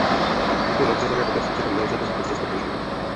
Tyto nadřazené oblasti přitom nelze dost dobře ztotožnit.